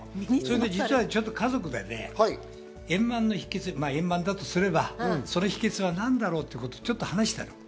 実はちょっと家族で円満の秘訣、円満だとすればその秘訣は何だろうてことをちょっと話したの。